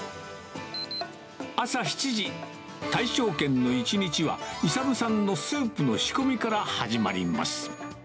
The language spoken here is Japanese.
朝７時、大勝軒の一日は、勇さんのスープの仕込みから始まります。